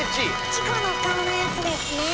チコの顔のやつですね！